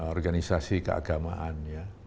organisasi keagamaan ya